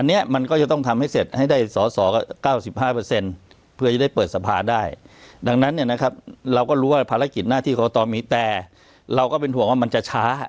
อันนี้มันก็จะต้องทำให้เสร็จให้ได้สอสอ๙๕เพื่อจะได้เปิดสภาได้ดังนั้นเนี่ยนะครับเราก็รู้ว่าภารกิจหน้าที่กรกตมีแต่เราก็เป็นห่วงว่ามันจะช้า